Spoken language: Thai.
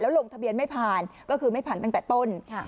ลงทะเบียนไม่ผ่านก็คือไม่ผ่านตั้งแต่ต้น